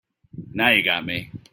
Now you got me.